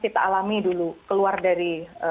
kita alami dulu keluar dari